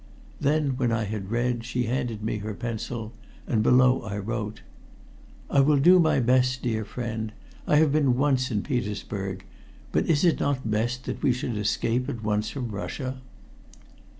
Then when I had read, she handed me her pencil and below I wrote "I will do my best, dear friend. I have been once in Petersburg. But is it not best that we should escape at once from Russia?"